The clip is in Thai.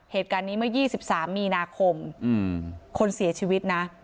เหตุการณ์นี้เมื่อ๒๓มีนาคมคนเสียชีวิตนะ